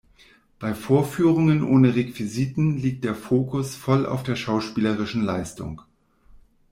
Bei Vorführungen ohne Requisiten liegt der Fokus voll auf der schauspielerischen Leistung.